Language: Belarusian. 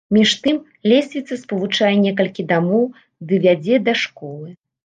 Між тым, лесвіца спалучае некалькі дамоў ды вядзе да школы.